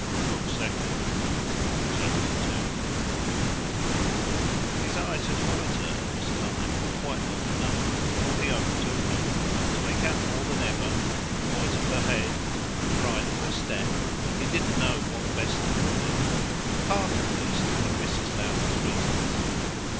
Book Second, Chapter 2 His eyes had followed her at this time quite long enough, before he overtook her, to make out more than ever in the poise of her head, the pride of her step he didn't know what best to call it a part at least of Mrs. Lowder's reasons.